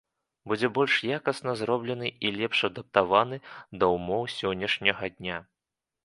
Будзе больш якасна зроблены і лепш адаптаваны да ўмоў сённяшняга дня.